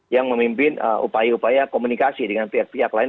yang memimpin upaya upaya komunikasi dengan pihak pihak lain